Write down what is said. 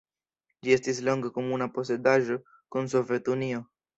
Ĝi estis longe komuna posedaĵo kun Sovetunio.